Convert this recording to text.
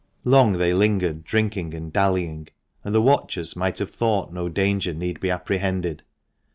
Long they lingered drinking and dallying, and the watchers might have thought no danger need be apprehended.